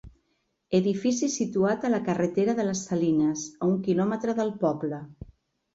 Edifici situat a la carretera de les Salines, a un quilòmetre del poble.